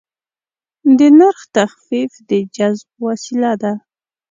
د نرخ تخفیف د جذب وسیله ده.